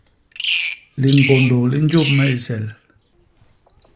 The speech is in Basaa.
Liñgôndô li njôp me i sel.